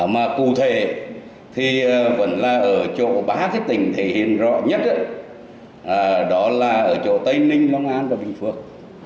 mà cụ thể thì vẫn là ở chỗ ba cái tỉnh thể hiện rõ nhất đó là ở chỗ tây ninh long an và bình phước